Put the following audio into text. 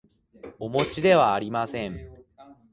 おもちではありません